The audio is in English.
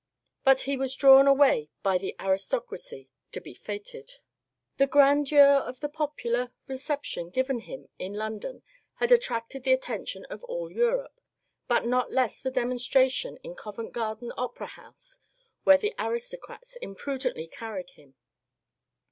But he was drawn away by the aristocracy to be feted. The grandeur of the popular reception given him in London had attracted the attention of all Europe, but not less the demon stration in Covent Garden Opera House, where the aristo crats imprudently carried him.